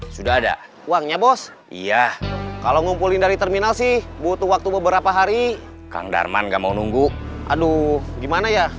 sampai jumpa di video selanjutnya